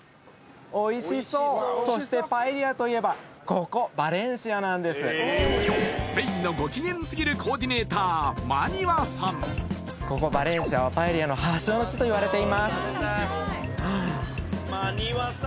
おいしそうそしてパエリアといえばここバレンシアなんですスペインのご機嫌すぎるコーディネーター馬庭さんといわれています